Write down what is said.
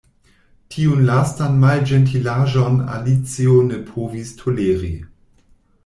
Tiun lastan malĝentilaĵon Alicio ne povis toleri.